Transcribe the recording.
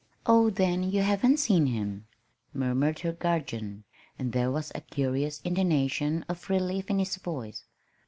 "Oh, then you haven't seen him," murmured her guardian; and there was a curious intonation of relief in his voice.